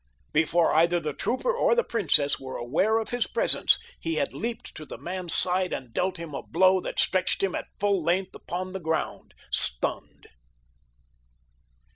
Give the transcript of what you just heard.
Before either the trooper or the princess were aware of his presence he had leaped to the man's side and dealt him a blow that stretched him at full length upon the ground—stunned.